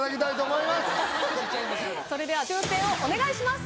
それでは抽選をお願いします